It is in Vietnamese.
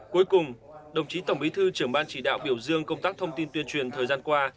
cuối cùng đồng chí tổng bí thư trưởng ban chỉ đạo biểu dương công tác thông tin tuyên truyền thời gian qua